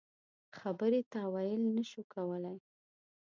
خبرې تاویل نه شو کولای.